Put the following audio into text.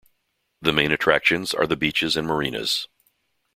The main attractions are the beaches and marinas.